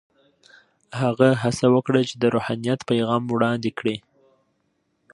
هغه هڅه وکړه چې د روحانیت پیغام وړاندې کړي.